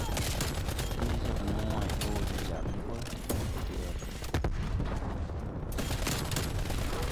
Hee jāg ne wãy bɔ wɔ de jar ni bo wo deʼel.